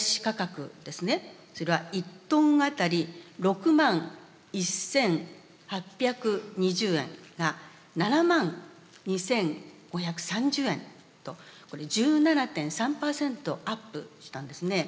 それは１トン当たり６万１，８２０円が７万２，５３０円と１７．３％アップしたんですね。